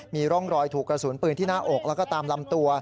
มีร่องรอยถูกกระสุนปืนที่หน้าอกแล้วก็ตามลำตัว